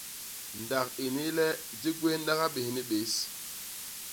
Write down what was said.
Ndak ini le di gwéhnaga bés ni bés.